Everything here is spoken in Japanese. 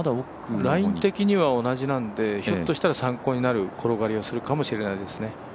ライン的には同じなので、ひょっとしたら参考になる転がりをするかもしれないですね。